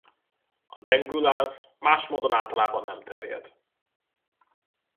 A dengue-láz más módon általában nem terjed.